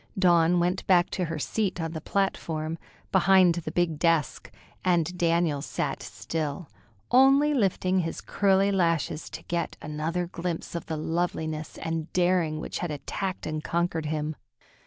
Dawn went back to her seat on the platform, behind the big desk, and Daniel sat still, only lifting his curly lashes to get another glimpse of the loveliness and daring which had attacked and conquered him.